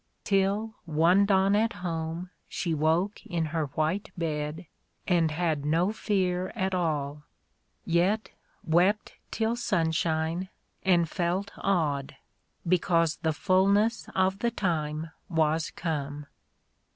Till, one dawn at home She woke in her white bed, and had no fear At all, — yet wept till sunshine, and felt awed : Because the fulness of the time was come.